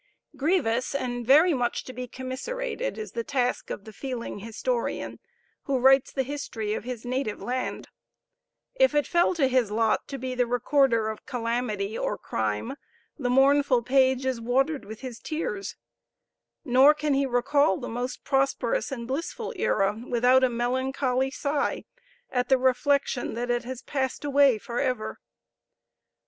Grievous and very much to be commiserated is the task of the feeling historian who writes the history of his native land. If it fell to his lot to be the recorder of calamity or crime, the mournful page is watered with his tears nor can he recall the most prosperous and blissful era without a melancholy sigh at the reflection that it has passed away for ever!